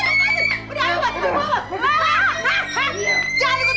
kalau kalian masih berani mengajak lala tinggalin sini